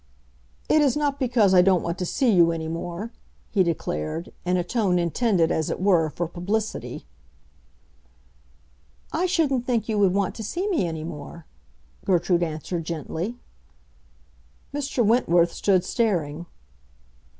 "It is not because I don't want to see you any more," he declared, in a tone intended as it were for publicity. "I shouldn't think you would want to see me any more," Gertrude answered, gently. Mr. Wentworth stood staring.